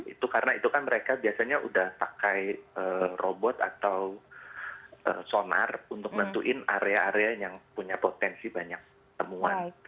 itu karena itu kan mereka biasanya udah pakai robot atau sonar untuk nentuin area area yang punya potensi banyak temuan